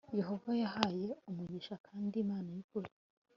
yehova yahaye umugisha kandi imana y ukuri